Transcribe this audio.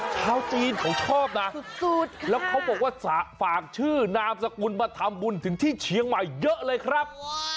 ชาวจีนเขาชอบนะสุดแล้วเขาบอกว่าฝากชื่อนามสกุลมาทำบุญถึงที่เชียงใหม่เยอะเลยครับ